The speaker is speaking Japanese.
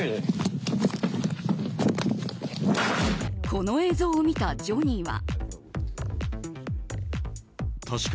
この映像を見たジョニーは。